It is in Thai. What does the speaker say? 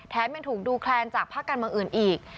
แถมยังถูกดูแคลนจากพักกันเมืองอื่นอีก